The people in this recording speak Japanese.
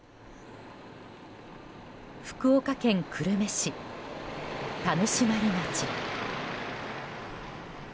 福岡県久留米市田主丸町。